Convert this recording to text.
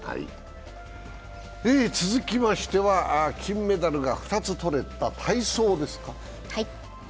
続きましては金メダルが２つ取れた体操です。